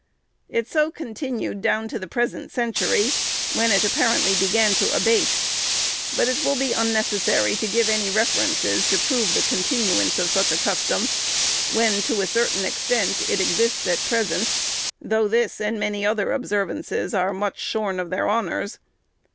It so continued down to the present century, when it apparently began to abate; but it will be unnecessary to give any references to prove the continuance of such a custom, when, to a certain extent, it exists at present, though this and other observances are much shorn of their honours.